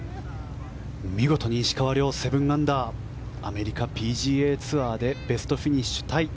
見事に石川遼７アンダーアメリカＰＧＡツアーでベストフィニッシュタイ。